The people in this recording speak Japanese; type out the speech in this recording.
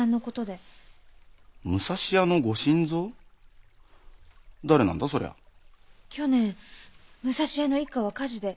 去年武蔵屋の一家は火事で。